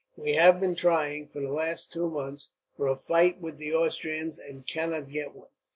We have been trying, for the last two months, for a fight with the Austrians, and cannot get one.